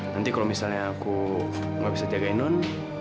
nanti kalau misalnya aku nggak bisa jagain non